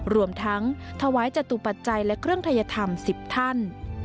รวมทั้งถวายจตุปัจจัยและเครื่องทัยธรรม๑๐ท่าน